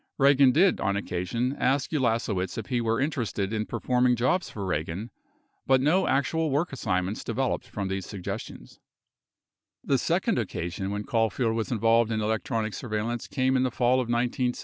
Eagan did, on occasion, ask Ulasewicz if he were interested in performing jobs for Eagan, but no actual work assignments developed from these suggestions. 29 The second occasion when Caulfield was involved in electronic sur veillance came in the fall of 1970 when Ehrlichman requested Caul 21 21 Bearings 9692.